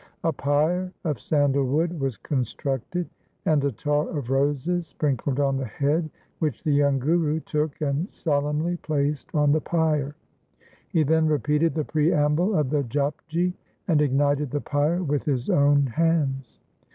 A pyre of sandal wood was constructed and attar of roses sprinkled on the head which the young Guru took and solemnly placed on the pyre. He then repeated the preamble of the Japji and ignited the pyre with his own hands.